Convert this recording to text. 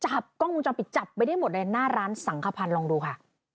จะหับกล้องมือจอมปิดจับไปได้หมดในหน้าร้านสังขพรรดิ์ลองดูค่ะ